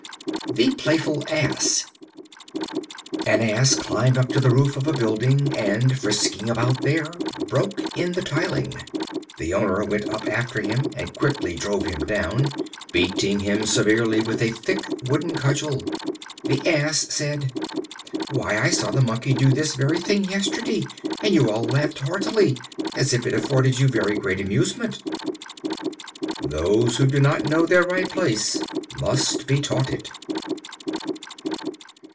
The Playful Ass. An Ass climbed up to the roof of a building, and, frisking about there, broke in the tiling. The owner went up after him, and quickly drove him down, beating him severely with a thick wooden cudgel. The Ass said: "Why, I saw the Monkey do this very thing yesterday, and you all laughed heartily, as if it afforded you very great amusement." Those who do not know their right place must be taught it.